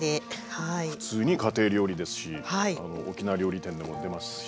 普通に家庭料理ですし沖縄料理店でも出ますし。